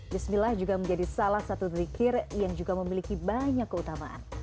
bismillah juga menjadi salah satu drikir yang juga memiliki banyak keutamaan